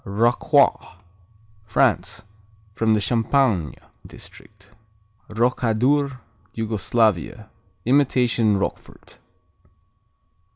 Rocroi France From the Champagne district. Rokadur Yugoslavia Imitation Roquefort.